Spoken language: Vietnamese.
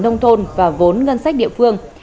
nông thôn và vốn ngân sách địa phương